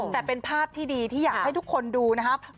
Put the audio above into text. แต่เป็นภาพที่ดีที่อยากให้ทุกคนดูนะครับ